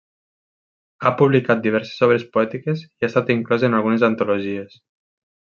Ha publicat diverses obres poètiques i ha estat inclòs en algunes antologies.